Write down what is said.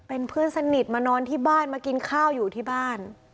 เป็นเพื่อนสนิทมานอนที่บ้านมากินข้าวอยู่ที่บ้าน